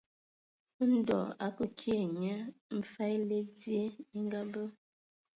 Ndɔ a akə kii ai nye mfag èle dzi e ngabe.